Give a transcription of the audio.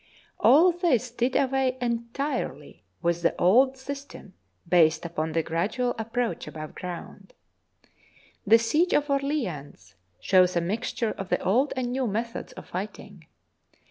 All this did away entirely with the old system based upon the gradual ap proach above ground. The siege of Orleans shows a mixture of the old and new methods of fighting.